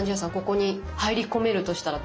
ここに入り込めるとしたらどうします？